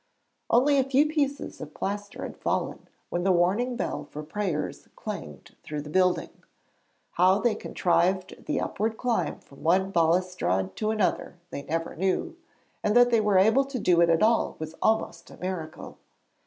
Only a few pieces of plaster had fallen when the warning bell for prayers clanged through the building. How they contrived the upward climb from one balustrade to another, they never knew, and that they were able to do it at all was almost a miracle.